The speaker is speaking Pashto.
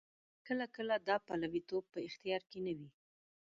کله کله دا پلویتوب په اختیار کې نه وي.